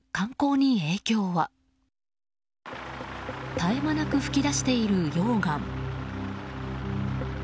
絶え間なく噴き出している溶岩。